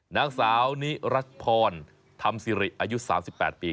หนังสาร์นิรัชพรทำซีริอายุ๓๘ปี